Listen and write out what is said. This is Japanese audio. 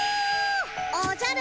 おじゃる。